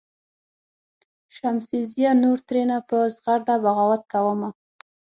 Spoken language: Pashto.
"شمسزیه نور ترېنه په زغرده بغاوت کومه.